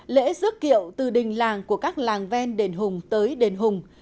lễ rước kiệu từ đình làng của các làng ven đền hùng tới đền hùng